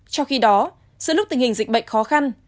trong khi đó giữa lúc tình hình dịch bệnh khó khăn